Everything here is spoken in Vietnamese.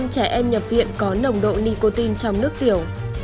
bốn mươi trẻ em nhập viện có nồng độ nicotine trong nước tiểu